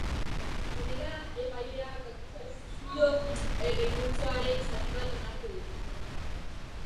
Honela, epaileak akusazio errekurtsoaren zati bat onartu du.